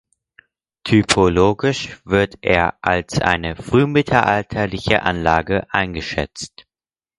Typologisch wird er als eine frühmittelalterliche Anlage eingeschätzt.